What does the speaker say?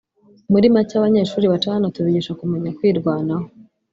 muri make abanyeshuri baca hano tubigisha kumenya kwirwanaho